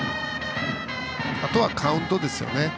あとはカウントですね。